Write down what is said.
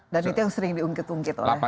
dan itu yang sering diungkit ungkit oleh trump